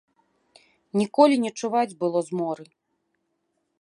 Ніколі не чуваць было зморы.